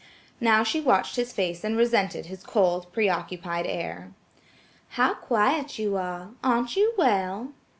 Now she watched his face and resented his cold, preoccupied air. "How quiet you are; aren't you well?"